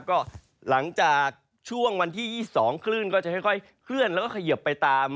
ก็หลังจากช่วงวันที่๒๒คลื่นก็จะค่อยเคลื่อนแล้วก็เขยิบไปตาม